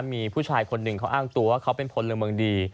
มีผู้ชายคนหนึ่งเขาอ้างตัวว่าเขาเป็นพลเมืองดี